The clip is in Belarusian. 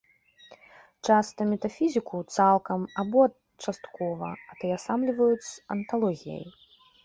Часта метафізіку, цалкам або часткова, атаясамліваюць з анталогіяй.